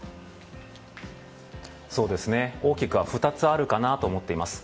大きくは２つあるかなと思っています。